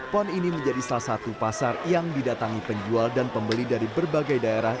pon ini menjadi salah satu pasar yang didatangi penjual dan pembeli dari berbagai daerah